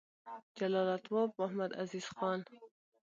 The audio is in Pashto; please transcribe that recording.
جلالتمآب محمدعزیز خان: